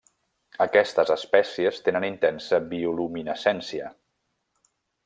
Aquestes espècies tenen intensa bioluminescència.